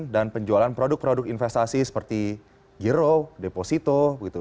dan penjualan produk produk investasi seperti giro deposito gitu